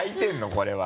これは。